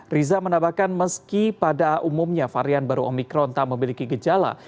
riza menambahkan meski pada umumnya varian baru omikron tak memiliki gejala